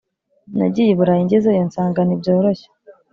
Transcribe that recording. Nagiye iburayi ngezeyo nsanga ntibyoroshye